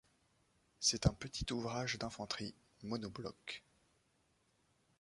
C'est un petit ouvrage d'infanterie, monobloc.